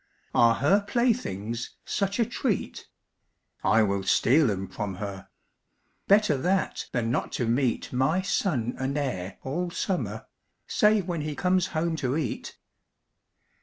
Are her playthings such a treat? I will steal 'em from her; Better that than not to meet My son and heir all summer, Save when he comes home to eat.